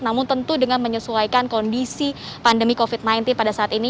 namun tentu dengan menyesuaikan kondisi pandemi covid sembilan belas pada saat ini